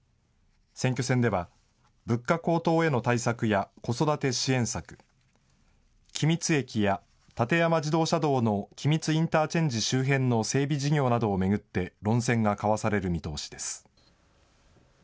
選挙戦では物価高騰への対策や子育て支援策、君津駅や館山自動車道の君津インターチェンジ周辺の整備事業などを巡って論戦が交わされる見通しです。